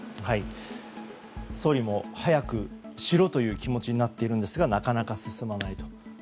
総理も早くしろという気持ちになっていますがなかなか進まないと。